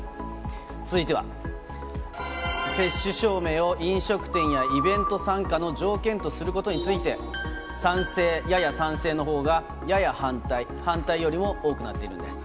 続いては、接種証明を飲食店やイベント参加の条件とすることについて、賛成、やや賛成のほうが、やや反対、反対よりも多くなっているんです。